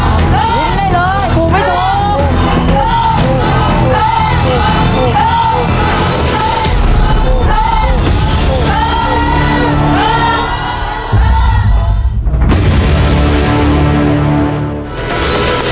หยุดได้เลยถูกไม่ถูก